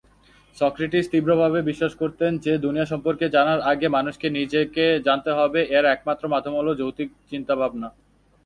Socrates তীব্রভাবে বিশ্বাস করতেন যে দুনিয়া সম্পর্কে জানার আগে মানুষকে নিজেকে জানতে হবে; এর একমাত্র মাধ্যম হল যৌক্তিক চিন্তাভাবনা।